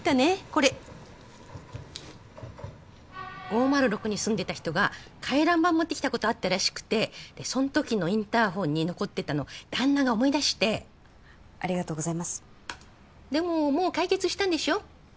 これ５０６に住んでた人が回覧板持ってきたことあったらしくてその時のインターホンに残ってたの旦那が思い出してありがとうございますでももう解決したんでしょ？